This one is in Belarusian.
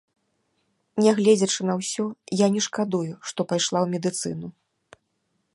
Нягледзячы на ўсё я не шкадую, што пайшла ў медыцыну.